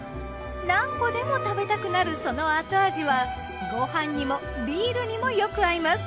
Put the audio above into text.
何個でも食べたくなるその後味はご飯にもビールにもよく合います。